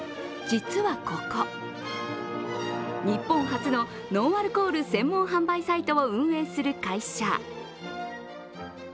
実はここ、日本初のノンアルコール専門販売サイトを運営する会社。